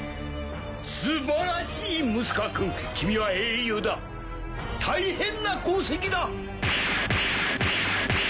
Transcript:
すばらしいムスカ君君は英雄だ大変な功績だ。